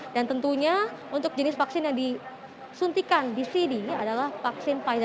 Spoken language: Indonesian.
dan tentunya untuk jenis vaksin yang disuntikan di sini adalah vaksin pfizer